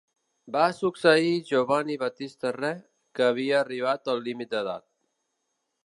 Va succeir Giovanni Battista Re, que havia arribat al límit d'edat.